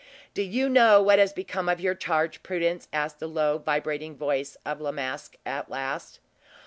"Do you know what has become of your charge, Prudence?" asked the low, vibrating voice of La Masque, at last.